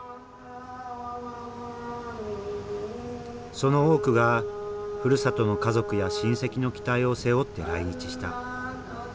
その多くがふるさとの家族や親戚の期待を背負って来日した。